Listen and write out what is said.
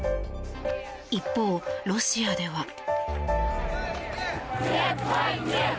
一方、ロシアでは。